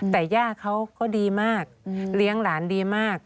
แต่ย่าเขาก็ดีมากเลี้ยงหลานดีมาก